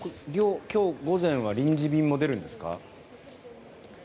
今日午前は臨時便も出るんですか？